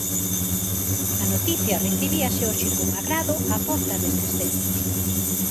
A noticia recibíase hoxe con agrado á porta destes centros.